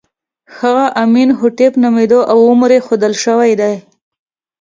هغه امین هوټېپ نومېده او عمر یې ښودل شوی دی.